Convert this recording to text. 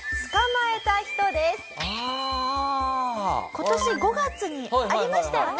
今年５月にありましたよね。